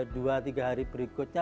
dua tiga hari berikutnya